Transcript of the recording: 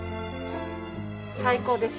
最高です。